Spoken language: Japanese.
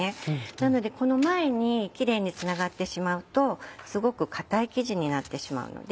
なのでこの前にキレイにつながってしまうとすごく硬い生地になってしまうので。